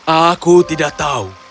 aku tidak tahu